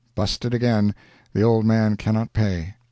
Busted again—the old man cannot pay.